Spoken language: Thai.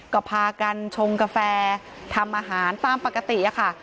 ก็พากันชงกาแฟทำอาหารตามปกติค่ะ